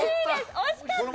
惜しかった！